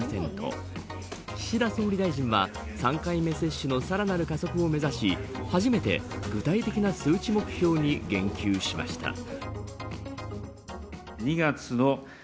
岸田総理大臣は、３回目接種のさらなる加速を目指し初めて具体的な数値目標に言及しました。